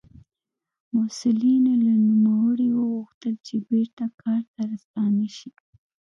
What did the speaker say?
مسوولینو له نوموړي وغوښتل چې بېرته کار ته ستانه شي.